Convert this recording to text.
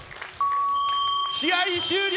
試合終了！